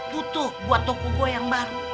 butuh buat toko gue yang baru